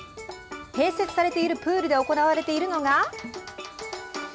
併設されているプールで行われているのが。